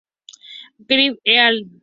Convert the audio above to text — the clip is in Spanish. Gregory, "et al.